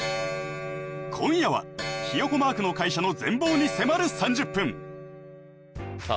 今夜はひよこマークの会社の全貌に迫る３０分さあ